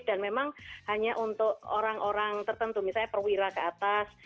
dan memang hanya untuk orang orang tertentu misalnya perwira ke atas